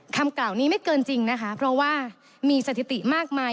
คำกล่าวนี้ไม่เกินจริงนะคะเพราะว่ามีสถิติมากมาย